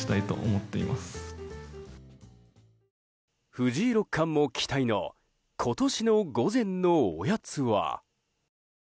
藤井六冠も期待の今年の午前のおやつは。